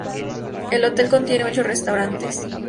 El hotel contiene ocho restaurantes.